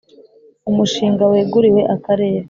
Umushinga weguriwe Akarere .